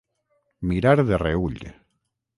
Mirar de reüll.